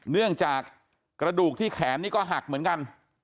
เนื่องจากกระดูกที่แขนนี่ก็หักเหมือนกัน